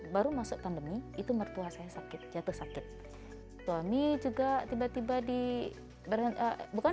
baru masuk pandemi itu mertua saya sakit jatuh sakit suami juga tiba tiba di bukan